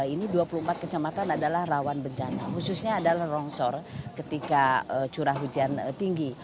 ini dua puluh empat kecamatan adalah rawan bencana khususnya adalah longsor ketika curah hujan tinggi